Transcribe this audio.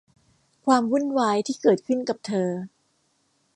ความวุ่นวายที่เกิดขึ้นกับเธอ